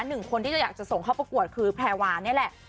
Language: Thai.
หนึ่งคนที่เราอยากส่งในประกวดก็คือแพรวานนี่แหละ